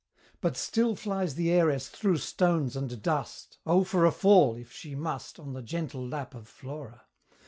But still flies the Heiress through stones and dust, Oh, for a fall, if she must, On the gentle lap of Flora!